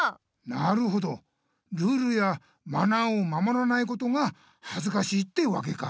なるほどルールやマナーを守らないことがはずかしいってわけか。